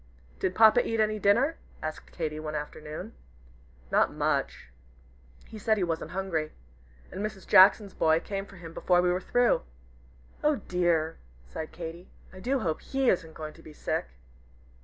"Did Papa eat any dinner?" asked Katy, one afternoon. "Not much. He said he wasn't hungry. And Mrs. Jackson's boy came for him before we were through." "Oh dear!" sighed Katy, "I do hope he isn't going to be sick.